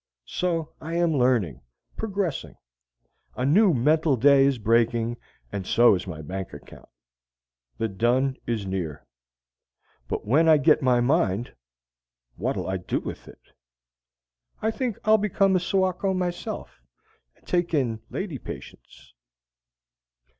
So I am learning, progressing. A new mental day is breaking and so is my bank account. The dun is near. But when I get my mind what'll I do with it? I think I'll become a soako myself and take in lady patients.